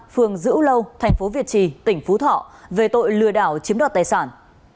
phường dữ lâu thành phố việt trì tỉnh phú thọ về tội lừa đảo chiếm đoạt tài sản